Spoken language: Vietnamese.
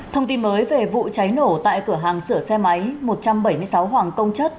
thông tin mới về vụ cháy nổ tại cửa hàng sửa xe máy một trăm bảy mươi sáu hoàng công chất